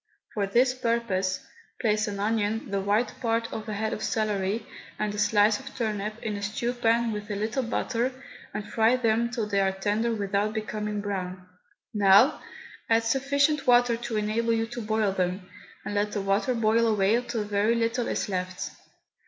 For this purpose, place an onion, the white part of a head of celery, and a slice of turnip in a stew pan with a little butter, and fry them till they are tender without becoming brown. Now add sufficient water to enable you to boil them, and let the water boil away till very little is left.